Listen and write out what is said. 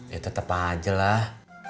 ya tetep aja lah